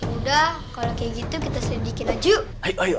udah kalau kayak gitu kita sedikit aja yuk